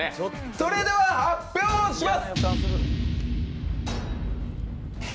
それでは発表します！